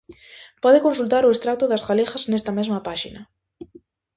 Pode consultar o extracto das galegas nesta mesma páxina.